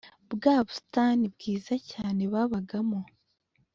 bwa busitani bwiza cyane babagamo.